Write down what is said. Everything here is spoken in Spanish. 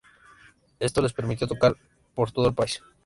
Esto les permitió tocar por todo el país.